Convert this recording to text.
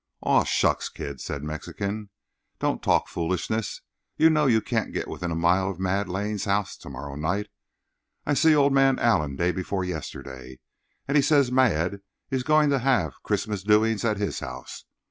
"Ah, shucks, Kid," said Mexican, "don't talk foolishness. You know you can't get within a mile of Mad Lane's house to morrow night. I see old man Allen day before yesterday, and he says Mad is going to have Christmas doings at his house.